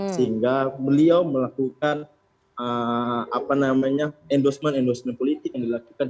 sehingga beliau melakukan endorsement endorsement politik yang dilakukan